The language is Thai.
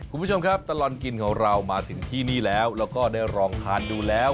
คุณผู้ชมครับตลอดกินของเรามาถึงที่นี่แล้วแล้วก็ได้ลองทานดูแล้ว